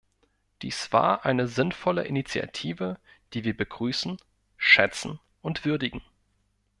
Dies war eine sinnvolle Initiative, die wir begrüßen, schätzen und würdigen.